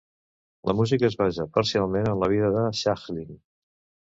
El musical es basa parcialment en la vida de Schalchlin.